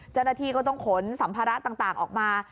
จนทีก็ต้องขนสัมภาระต่างออกมา